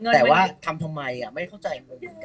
แต่ว่าทำทำไมไม่เข้าใจเหมือนกันเลย